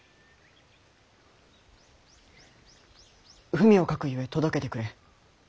文を書くゆえ届けてくれ。